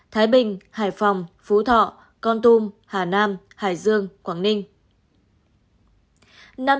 thái bình hải phòng phú thọ con tum hà nam hải dương quảng ninh